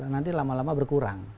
nanti lama lama berkurang